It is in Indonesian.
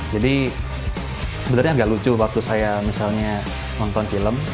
jadi sebenarnya agak lucu waktu saya misalnya nonton film